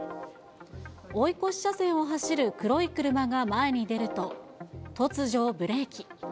追い越し車線を走る黒い車が前に出ると、突如ブレーキ。